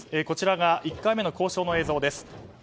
こちらが１回目の交渉の映像です。